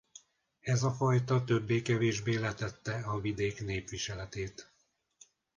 Ez a fajta többé-kevésbé letette a vidék népviseletét.